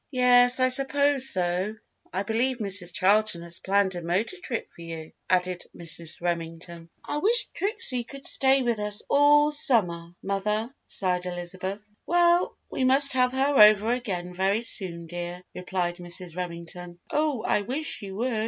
"Yes, I suppose so! I believe Mrs. Charlton has planned a motor trip for you," added Mrs. Remington. "I wish Trixie could stay with us all summer, mother," sighed Elizabeth. "Well, we must have her over again very soon, dear," replied Mrs. Remington. "Oh, I wish you would!